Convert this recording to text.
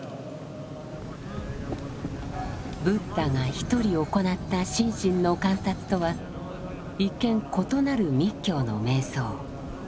ブッダが一人行った心身の観察とは一見異なる密教の瞑想。